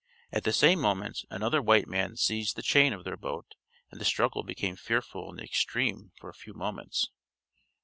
At the same moment another white man seized the chain of their boat, and the struggle became fearful in the extreme for a few moments.